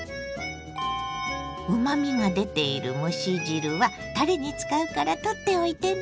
うまみが出ている蒸し汁はたれに使うから取っておいてね。